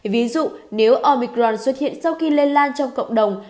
ví dụ nếu obicron xuất hiện sau khi lây lan trong cộng đồng